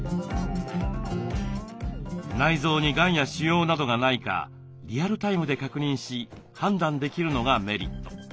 内臓にがんや腫瘍などがないかリアルタイムで確認し判断できるのがメリット。